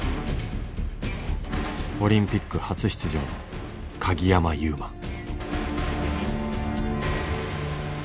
オリンピック初出場の鍵山優真。